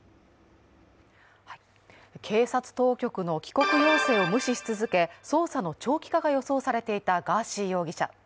警察当局の帰国要請を無視し続け、捜査の長期化が予想されていたガーシー容疑者。